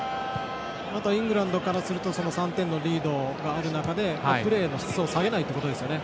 イングランドからすると３点のリードを守る中でプレーの質を下げないことですね。